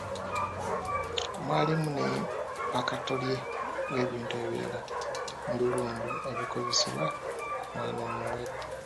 Mwalimu ne mpakatyole w'ebintu ebirala ndulundu ebikozesebwa ku mwana omuwere.